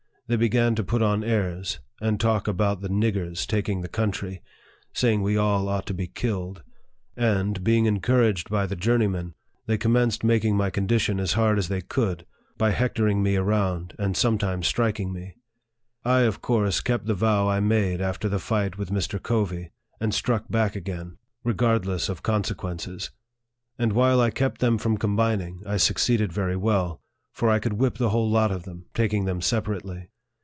They began to put on airs, and talk about the 41 niggers " taking the country, saying we all ought to be killed ; and, being encouraged by the journeymen, they commenced making my condition as hard as they could, by hectoring me around, and sometimes striking me. I, of course, kept the vow I made after the fight with Mr. Covey, and struck back again, regardless of 96 NARRATIVE OF THE consequences ; and while I kept them from combining, I succeeded very well ; for I could whip the whole of them, taking them separately.